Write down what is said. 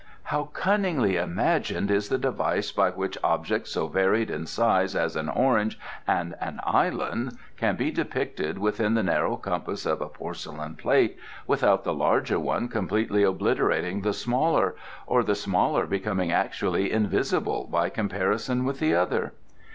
"How cunningly imagined is the device by which objects so varied in size as an orange and an island can be depicted within the narrow compass of a porcelain plate without the larger one completely obliterating the smaller or the smaller becoming actually invisible by comparison with the other!